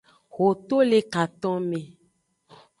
Ho to le katome.